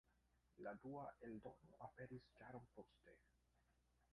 La dua eldono aperis jaron poste.